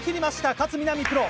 勝みなみプロ。